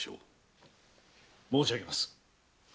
申し上げます。